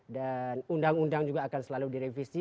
dan undang undang juga akan selalu direvisi